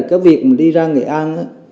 cái việc đi ra nghệ an